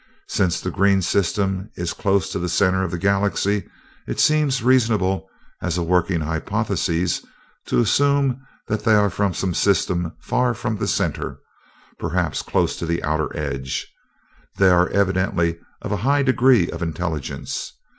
Since the green system is close to the center of the Galaxy, it seems reasonable, as a working hypothesis, to assume that they are from some system far from the center, perhaps close to the outer edge. They are very evidently of a high degree of intelligence.